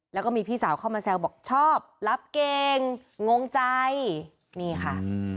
แล้วก็มีพี่สาวเข้ามาแซวบอกชอบรับเก่งงงใจนี่ค่ะ